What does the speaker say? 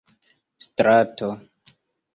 strato